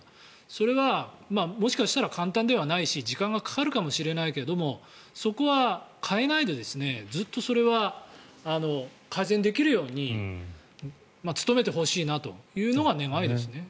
それはもしかしたら簡単ではないし時間がかかるかもしれないけどそこは変えないでずっとそれは改善できるように努めてほしいというのが願いですね。